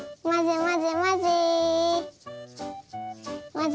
まぜまぜまぜ。